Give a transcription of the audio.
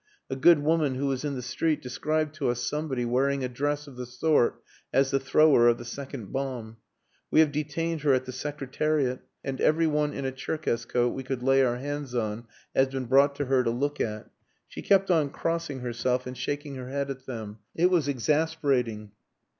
"A good woman who was in the street described to us somebody wearing a dress of the sort as the thrower of the second bomb. We have detained her at the Secretariat, and every one in a Tcherkess coat we could lay our hands on has been brought to her to look at. She kept on crossing herself and shaking her head at them. It was exasperating...."